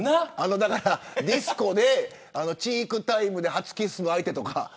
ディスコでチークタイムで初キスの相手とか。